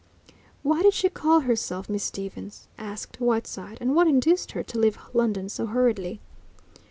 "Why did she call herself Miss Stevens?" asked Whiteside. "And what induced her to leave London so hurriedly?"